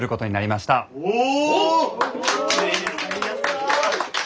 お！